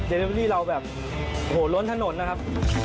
เดริเวอรี่เราแบบโหล้นถนนนะครับ